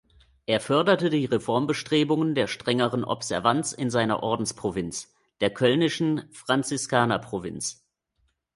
Er förderte die Reformbestrebungen der strengeren Observanz in seiner Ordensprovinz, der Kölnischen Franziskanerprovinz.